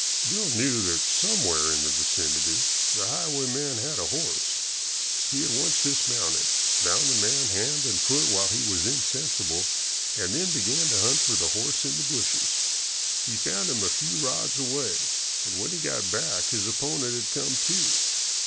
Bill knew that somewhere in the vicinity the highwayman had a horse. He at once dismounted, bound the man hand and foot while he was insensible, and then began to hunt for the horse in the bushes. He found him a few rods away, and when he got back his opponent had come to.